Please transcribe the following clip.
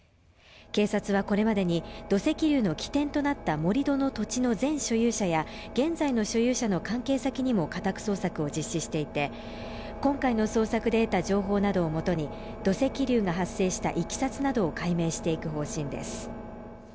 警察はこれまでに土石流の起点となった盛り土の土地の前所有者や現在の所有者の関係先にも家宅捜索を実施していて今回の捜索で得た情報などをもとに土石流が発生した経緯などを解明していく方針です